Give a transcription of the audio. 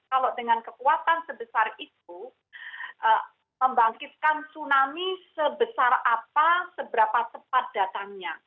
kalau dengan kekuatan sebesar itu membangkitkan tsunami sebesar apa seberapa cepat datangnya